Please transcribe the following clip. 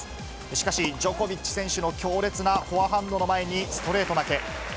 しかし、ジョコビッチ選手の強烈なフォアハンドの前に、ストレート負け。